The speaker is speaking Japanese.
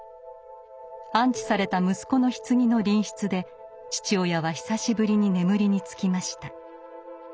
安置された息子の棺の隣室で父親は久しぶりに眠りにつきました。